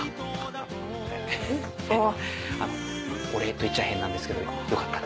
これお礼と言っちゃ変なんですけどよかったら。